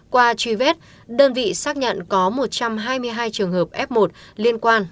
qua truy vết đơn vị xác nhận có một trăm hai mươi hai trường hợp f một liên quan